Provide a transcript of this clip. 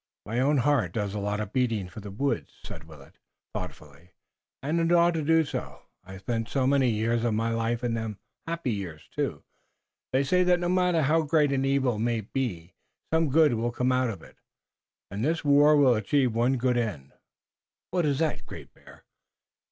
"My own heart does a lot of beating for the woods," said Willet, thoughtfully, "and it ought to do so, I've spent so many years of my life in them happy years, too. They say that no matter how great an evil may be some good will come out of it, and this war will achieve one good end." "What is that, Great Bear?"